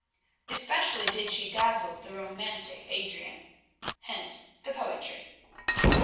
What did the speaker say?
Especially did she dazzle the romantic Adrian; hence the poetry.